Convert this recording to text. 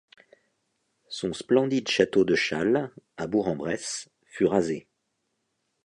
Son splendide château de Challes, à Bourg-en-Bresse, fut rasé.